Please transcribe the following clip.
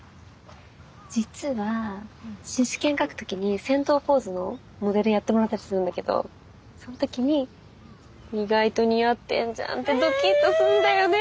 実はシシケン描く時に戦闘ポーズのモデルやってもらったりするんだけどその時に「意外と似合ってんじゃん！」ってドキッとするんだよね。